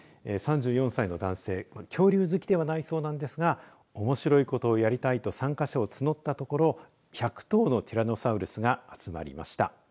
３４歳の男性恐竜好きではないそうなんですがおもしろいことやりたいと参加者を募ったところ１００頭のティラノサウルスが集まりました。